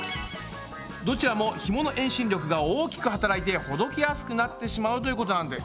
どちらもひもの遠心力が大きく働いてほどけやすくなってしまうということなんです。